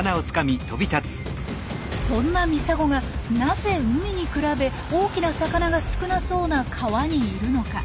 そんなミサゴがなぜ海に比べ大きな魚が少なそうな川にいるのか？